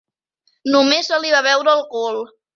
Només se li va veure el cul.